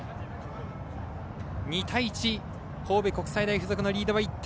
２対１、神戸国際大付属のリードは１点。